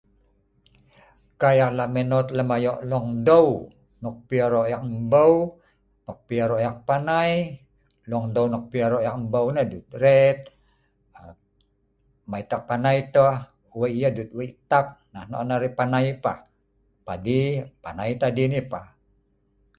Kai eek lak mènot lem ayo longdeu.. nok pi arok eek embeu, nok pi arok ek panai, longdeu nok pi arok ek mbeu dut rett, aaa..mai tah eek panai tau, wei yah dut wei tap, nah nok on arai panai ai pah, padii.. panai tah adin yah pah